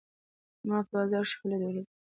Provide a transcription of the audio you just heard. ما په بازار کښي خالد وليدئ.